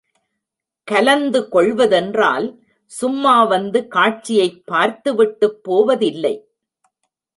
கலந்து கொள்வதென்றால், சும்மா வந்து காட்சியைப் பார்த்துவிட்டுப் போவதில்லை.